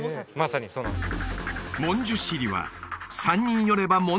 まさにそうなんです